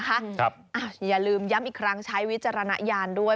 อย่าลืมย้ำอีกครั้งใช้วิจารณญาณด้วย